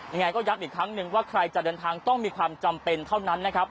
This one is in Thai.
ยังไงก็ย้ำอีกครั้งหนึ่งว่าใครจะเดินทางต้องมีความจำเป็นเท่านั้นนะครับ